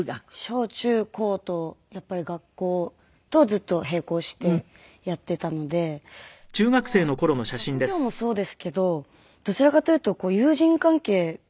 小中高とやっぱり学校とずっと並行してやっていたのでそこはまあ学業もそうですけどどちらかというとこう友人関係というか。